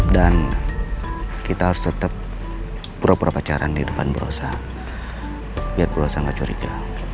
dan kita tetep pura pura pacaran di depan berrosa biar berosak curiga